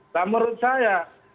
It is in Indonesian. nah menurut saya